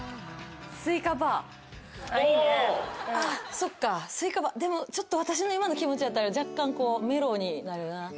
そっかスイカバーでもちょっと私の今の気持ちやったら若干メロウになるな。